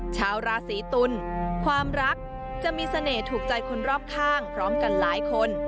ชาวราศีตุลความรักจะมีเสน่ห์ถูกใจคนรอบข้างพร้อมกันหลายคน